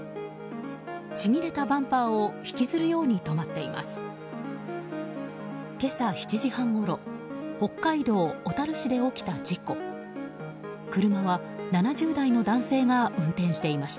ちぎれたバンパーを引きずるように止まっています。